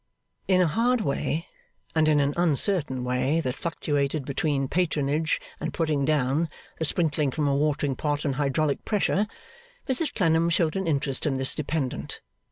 In a hard way, and in an uncertain way that fluctuated between patronage and putting down, the sprinkling from a watering pot and hydraulic pressure, Mrs Clennam showed an interest in this dependent.